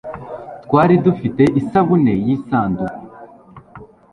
twari dufite isabune yisanduku